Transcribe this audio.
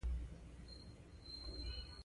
د پارک موقعیت ډېر ښه ځای دی.